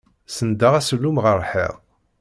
Senndeɣ asellum ɣer lḥiḍ.